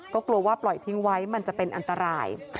ก็กลัวว่าปล่อยทิ้งไว้มันจะเป็นอันตราย